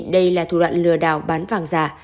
đây là thủ đoạn lừa đảo bán vàng giả